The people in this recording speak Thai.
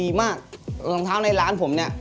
ผมรู้เลยเขาไม่ใช่คนดี